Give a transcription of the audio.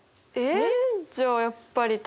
えっ？